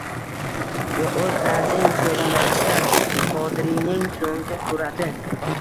Yo oʻz darding soʻylamoqchisan, Qodiriyning soʻnggi surati?